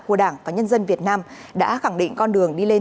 của đảng và nhân dân việt nam đã khẳng định con đường đi lên